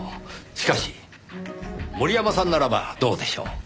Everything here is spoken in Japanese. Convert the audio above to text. しかし森山さんならばどうでしょう？